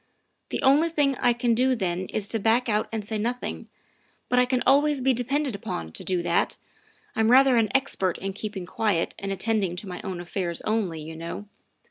The only thing I can do then is to back out and say nothing, but I can always be depended upon to do that I'm rather an expert in keeping quiet and attending to my own affairs only, you know.